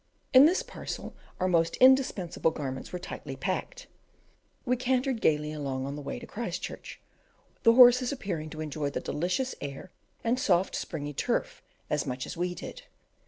In this parcel our most indispensable garments were tightly packed. We cantered gaily along on the way to Christchurch, the horses appearing to enjoy the delicious air and soft springy turf as much as we did.